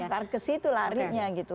ya pasti angkar ke situ larinya gitu